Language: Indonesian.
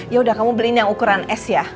ya udah kamu beliin yang ukuran es ya